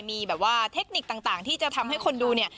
มีแบบว่าเทคนิคต่างที่จะทำให้คนดูเนี่ย